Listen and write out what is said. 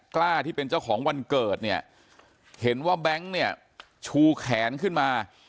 กล้าที่เป็นเจ้าของวันเกิดเนี่ยเห็นว่าแบงค์เนี่ยชูแขนขึ้นมา